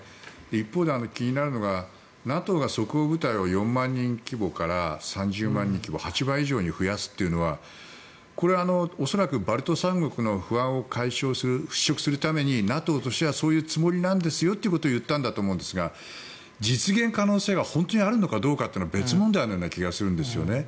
一方で気になるのがＮＡＴＯが即応部隊を４万人規模から３０万人規模８倍以上に増やすというのはこれは恐らくバルト三国の不安を解消する、払しょくするためにＮＡＴＯとしてはそういうつもりなんですよということを言ったんだと思いますが実現可能性が本当にあるのかどうかというのは別問題の気がするんですね。